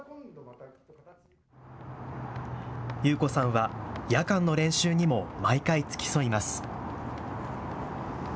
裕子さんは夜間の練習にも毎回、付き添います。